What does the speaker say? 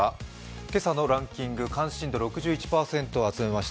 今朝のランキング、関心度６１％集めました